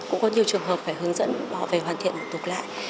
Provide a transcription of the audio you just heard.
cũng có nhiều trường hợp phải hướng dẫn họ về hoàn thiện một tục lại